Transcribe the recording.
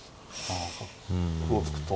あ歩を突くと。